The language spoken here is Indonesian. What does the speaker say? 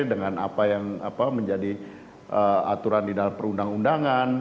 dengan apa yang menjadi aturan di dalam perundang undangan